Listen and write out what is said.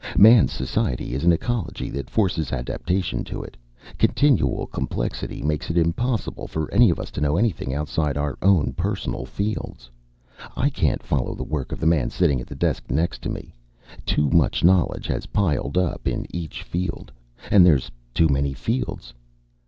Man's society is an ecology that forces adaptation to it. Continual complexity makes it impossible for any of us to know anything outside our own personal field I can't follow the work of the man sitting at the next desk over from me. Too much knowledge has piled up in each field. And there's too many fields.